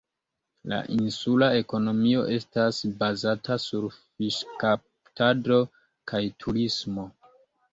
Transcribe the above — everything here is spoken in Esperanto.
La insula ekonomio estas bazata sur fiŝkaptado kaj turismo.